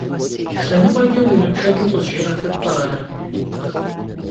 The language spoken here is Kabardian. Lhenıkhueç'e vuêmıplheç'ıu khızjjê'efıt - t'e ar.